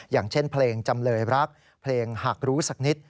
อย่างเช่นเพลงจำเลยรักเพลงหากรู้สักนิด